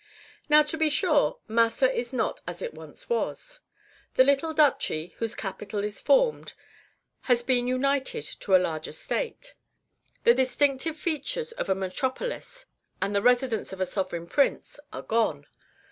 Now, to be sure, Massa is not as it once was. The little Duchy, whose capital it formed, has been united to a larger state. The distinctive features of a metropolis, and the residence of a sovereign prince, are gone.